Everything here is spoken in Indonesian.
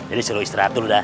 jadi suruh istirahat dulu dah